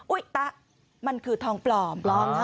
อุ๊ยตะมันคือทองปลอม